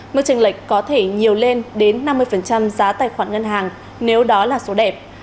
mức tranh lệch có thể nhiều lên đến năm mươi giá tài khoản ngân hàng nếu đó là số đẹp